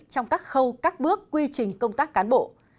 trong các khâu các bước quy trình công tác cán bộ